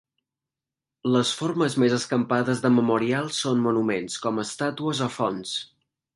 Les formes més escampades de memorials són monuments com estàtues o fonts.